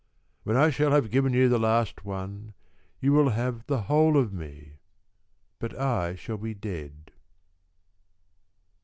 When I shall have given you the last one, You will have the whole of me, But I shall be dead.